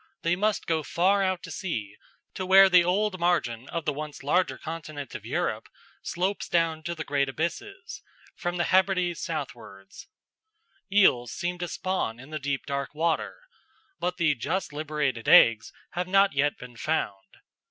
They must go far out to sea, to where the old margin of the once larger continent of Europe slopes down to the great abysses, from the Hebrides southwards. Eels seem to spawn in the deep dark water; but the just liberated eggs have not yet been found.